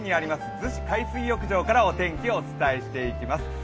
逗子海水浴場からお天気をお伝えしていきます。